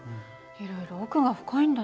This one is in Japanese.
いろいろ奥が深いんだね。